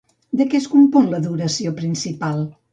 De què es compon l'adoració principal?